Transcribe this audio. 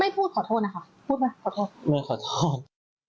ไม่พูดขอโทษนะคะพูดมาขอโทษ